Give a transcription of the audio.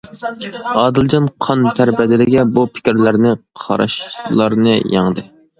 ئادىلجان قان-تەر بەدىلىگە بۇ پىكىرلەرنى، قاراشلارنى يەڭدى.